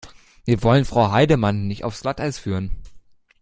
Wir wollen Frau Heidemann nicht aufs Glatteis führen.